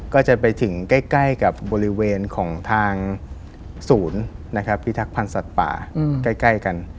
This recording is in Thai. ก็จะไปถึงใกล้กับบริเวณของทางศูนย์นะครับพิทักษ์พันธ์สัตว์ป่าใกล้กัน